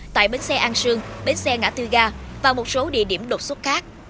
tại bến xe an sương bến xe ngã tư ga và một số địa điểm lột xúc khác